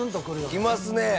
きますね。